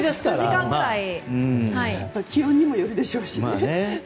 気温にもよるでしょうし。